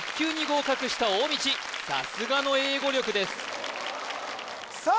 さすがの英語力ですさあ